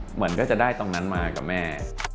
เหมือนก็จะได้ตรงนั้นมากับแม่